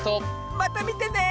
またみてね！